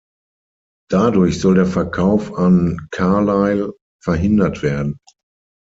Dadurch soll der Verkauf an Carlyle verhindert werden.